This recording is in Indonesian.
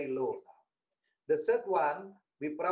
yang ketiga kita mungkin harus